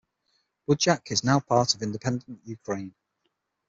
Budjak is now a part of independent Ukraine.